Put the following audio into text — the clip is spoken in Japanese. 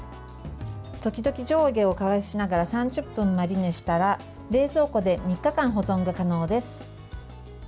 時々上下を返しながら３０分マリネしたら冷蔵庫で３日間保存が可能です。